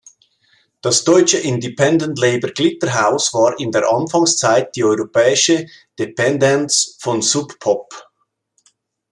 Das deutsche Independent-Label Glitterhouse war in der Anfangszeit die europäische Dependance von Sub Pop.